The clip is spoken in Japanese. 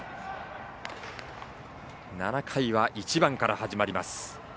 ７回は、１番から始まります。